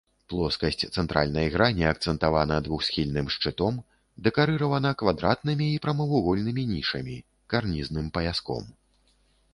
Плоскасць цэнтральнай грані акцэнтавана двухсхільным шчытом, дэкарыравана квадратнымі і прамавугольнымі нішамі, карнізным паяском.